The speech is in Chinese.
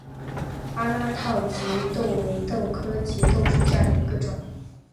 阿拉套棘豆为豆科棘豆属下的一个种。